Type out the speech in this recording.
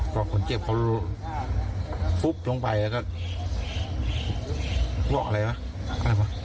ก็คนเจ็บเขาปุ๊บลงไปแล้วก็อะไรวะอะไรวะ